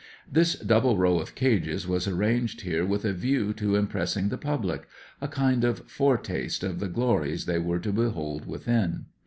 This double row of cages was arranged here with a view to impressing the public; a kind of foretaste of the glories they were to behold within.